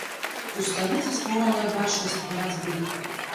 У сталіцы створаная бачнасць барацьбы.